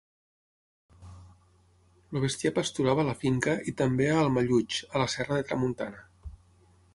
El bestiar pasturava a la finca i també a Almallutx, a la Serra de Tramuntana.